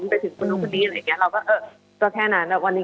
ไปถึงพวกนี้อะไรแบบนี้